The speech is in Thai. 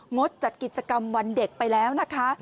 ดจัดกิจกรรมวันเด็กไปแล้วนะคะ